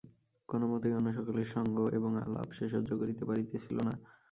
কোনোমতেই অন্য সকলের সঙ্গ এবং আলাপ সে সহ্য করিতে পারিতেছিল না।